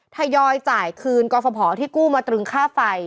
ทยอยจ่ายคืนกรฟภที่กู้มาตรึงค่าไฟ